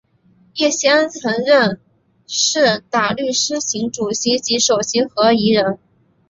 叶锡安曾任孖士打律师行主席及首席合夥人。